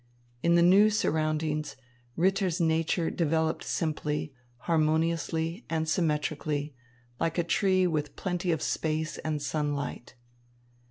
In the new surroundings, Ritter's nature developed simply, harmoniously and symmetrically, like a tree with plenty of space and sunlight.